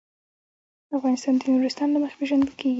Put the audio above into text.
افغانستان د نورستان له مخې پېژندل کېږي.